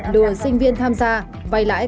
đùa sinh viên tham gia vay lãi